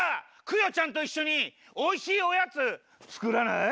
クヨちゃんといっしょにおいしいおやつつくらない？